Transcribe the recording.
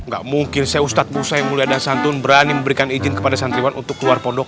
gak mungkin saya ustadz busa yang mulia dan santun berani memberikan izin kepada santriwan untuk keluar pondok